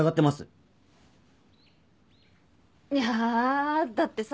いやだってさ